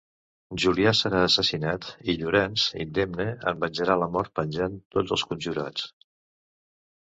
Julià serà assassinat i Llorenç, indemne, en venjarà la mort penjant tots els conjurats.